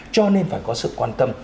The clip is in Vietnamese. cho nên phải có sự quan tâm